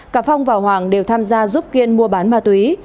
cả phong và hoàng đều tham gia giúp kiên mua bán ma túy